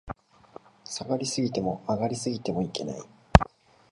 下がり過ぎても、上がり過ぎてもいけない